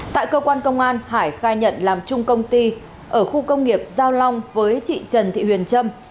tại cơ quan công an hải khai nhận làm chung công ty ở khu công nghiệp giao long với chị trần thị huyền trâm